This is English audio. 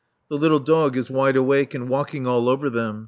The little dog is wide awake and walking all over them.